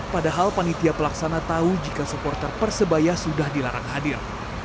padahal panitia pelaksana tahu jika supporter persebaya sudah dilarang hadir